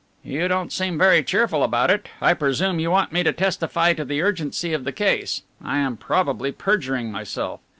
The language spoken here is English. "You don't seem very cheerful about it. I presume you want me to testify to the urgency of the case. I am probably perjuring myself."